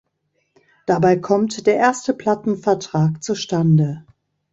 Dabei kommt der erste Plattenvertrag zustande.